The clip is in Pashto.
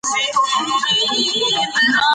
که خویندې شتمنې وي نو سوال به نه کوي.